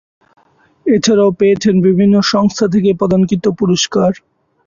এছাড়াও পেয়েছেন বিভিন্ন সংস্থা থেকে প্রদানকৃত পুরস্কার।